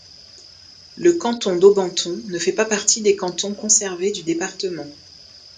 Le canton d'Aubenton ne fait pas partie des cantons conservés du département.